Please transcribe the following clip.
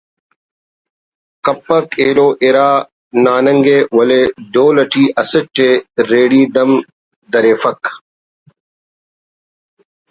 cake aloe اِرا ٹانگ ءُ ولے ڈول اٹی اسٹ ءِ ریڑی دم دریفک